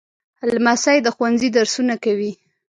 لمسی د ښوونځي درسونه کوي.